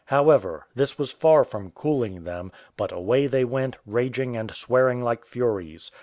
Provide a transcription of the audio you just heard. However, this was far from cooling them, but away they went, raging and swearing like furies.